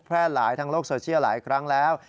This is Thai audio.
หลายทางโลกโซเชียลหลายครั้งแล้ว